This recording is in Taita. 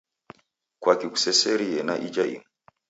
Kwaki kuseserie na ija imu?